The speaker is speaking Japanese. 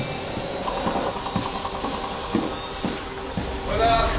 おはようございます。